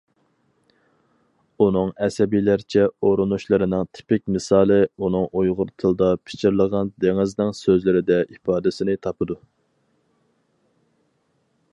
ئۇنىڭ ئەسەبىيلەرچە ئۇرۇنۇشلىرىنىڭ تىپىك مىسالى ئۇنىڭ ئۇيغۇر تىلىدا پىچىرلىغان دېڭىزنىڭ سۆزلىرىدە ئىپادىسىنى تاپىدۇ.